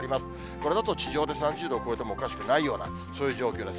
これだと地上で３０度を超えてもおかしくないような、そういう状況です。